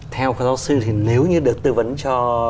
theo các giáo sư thì nếu như được tư vấn cho